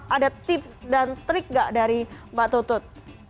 ada tips dan trik gak dari mbak totut